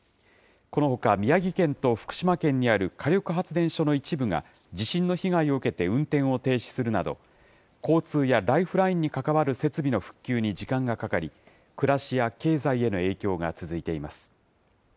このほか宮城県と福島県にある火力発電所の一部が地震の被害を受けて運転を停止するなど、交通やライフラインに関わる設備の復旧に時間がかかり、暮らしや経済への影響が続いています。